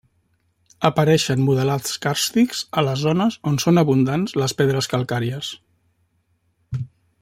Apareixen modelats càrstics a les zones on són abundants les pedres calcàries.